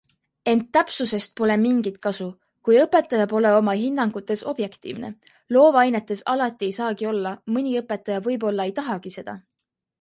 Ent täpsusest pole mingit kasu, kui õpetaja pole oma hinnangutes objektiivne - loovainetes alati ei saagi olla, mõni õpetaja võib-olla ei tahagi seda.